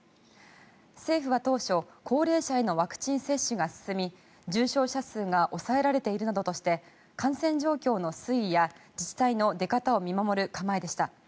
政府は当初高齢者へのワクチン接種が進み重症者数が抑えられているなどとして感染状況の推移や自治体の出方を見守る構えでした。